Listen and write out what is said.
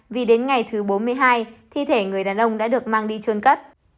vì đến ngày thứ bốn mươi hai thi thể người đàn ông đã được mang đi trôn cất